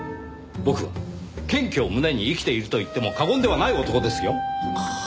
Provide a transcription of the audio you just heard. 僕は謙虚を旨に生きていると言っても過言ではない男ですよ。はあ？